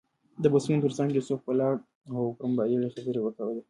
د بسونو تر څنګ یوسف ولاړ و او پر موبایل یې خبرې کولې.